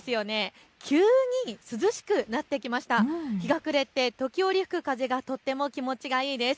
日が暮れて時折、吹く風がとっても気持ちがいいです。